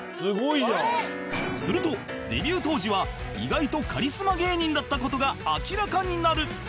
するとデビュー当時は意外とカリスマ芸人だった事が明らかになる！